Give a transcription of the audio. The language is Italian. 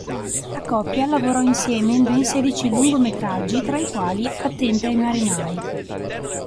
La coppia lavorò insieme in ben sedici lungometraggi tra i quali "Attente ai marinai!